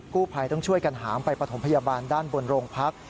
กู้ภัยต้องช่วยกันหามไปปฐมพยาบาลด้านบนโรงพัก